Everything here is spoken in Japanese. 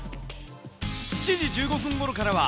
７時１５分ごろからは、